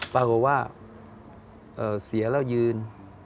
ปรากฏว่าเสียแล้วยืน